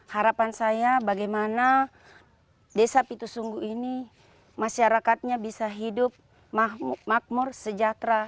harapan saya bagaimana desa pitusunggu ini masyarakatnya bisa hidup makmur sejahtera